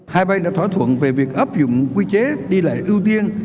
hai bên đã thỏa thuận về việc áp dụng quy chế đi lại ưu tiên